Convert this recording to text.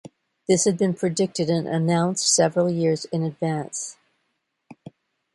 This had been predicted and announced several years in advance.